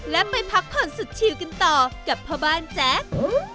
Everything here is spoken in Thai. และไปพักผ่อนสุดชิวกันต่อกับพ่อบ้านแจ๊ค